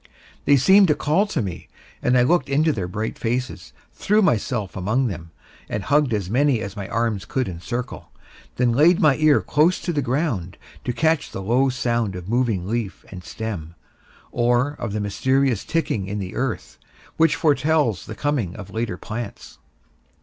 They seemed to call to me, and I looked into their bright faces, threw myself among them, and hugged as many as my arms could encircle, then laid my ear close to the ground to catch the low sound of moving leaf and stem, or of the mysterious ticking in the earth, which foretells the coming of later plants.